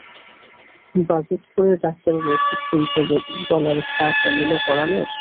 বাজিতপুরের ডাক্তারের ওষুধেই তবে গলার ঘা কমিল পরানের?